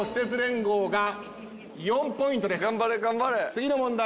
次の問題